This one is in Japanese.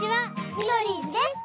ミドリーズです！